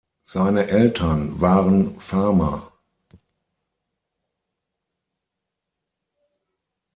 Seine Eltern waren Farmer.